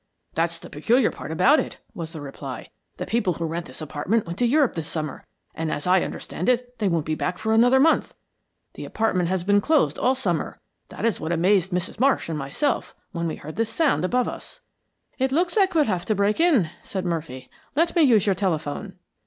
"That's the peculiar part about it," was the reply. "The people who rent this apartment went to Europe this summer, and as I understand it, they won't be back for another month. The apartment has been closed all summer. That is what amazed Mrs. Marsh and myself when we heard this sound above us." "It looks like we'll have to break in," said Murphy. "Let me use your telephone."